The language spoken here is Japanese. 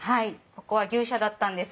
ここは牛舎だったんです。